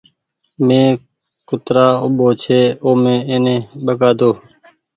مينٚ ڪترآ اوٻي ڇي اومي ايني ٻگآۮو